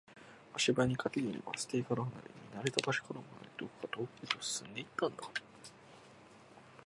足早に、駆けるようにバス停から離れ、見慣れた場所からも離れ、どこか遠くへと進んでいったんだ